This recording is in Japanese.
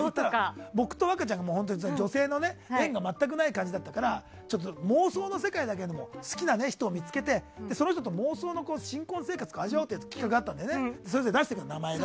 僕と若ちゃんは女性の縁が全くない感じだったから妄想の世界でも好きな人を見つけてその人と妄想の新婚生活を味わうっていう企画があったんだよね。